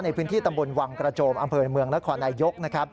ในพื้นที่ตำบลวังกระโจมอำเมินเมืองระควรนายยก